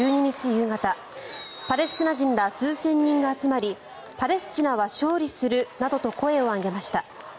夕方パレスチナ人ら数千人が集まりパレスチナは勝利するなどと声を上げました。